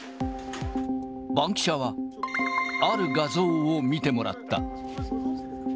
バンキシャは、ある画像を見てもらった。